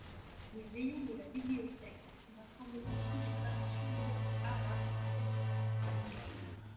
Les rayons de la bibliothèque rassemblent aussi des traductions d’œuvres arabes et persanes.